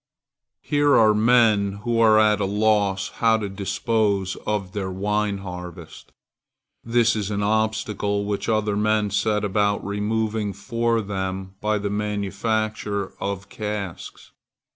Here are men who are at a loss how to dispose of their wine harvest. This is an obstacle which other men set about removing for them by the manufacture of casks.